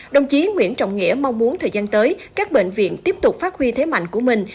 đồng chí nguyễn trọng nghĩa mong muốn thời gian tới các bệnh viện tiếp tục phát huy thế mạnh của mình